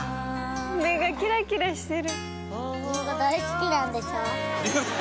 目がキラキラしてる。